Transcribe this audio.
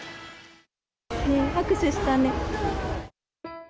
拍手したね。